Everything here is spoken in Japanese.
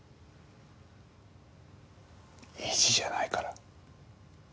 意地じゃないから。